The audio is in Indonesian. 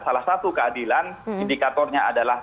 salah satu keadilan indikatornya adalah